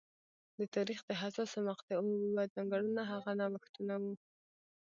د تاریخ د حساسو مقطعو یوه ځانګړنه هغه نوښتونه وو